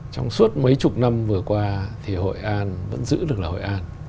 trong suốt mấy chục năm vừa qua thì hội an vẫn giữ được là hội an